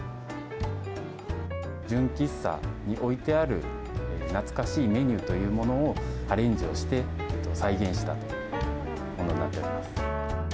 純喫茶に置いてある懐かしいメニューというものをアレンジをして再現したものになっております。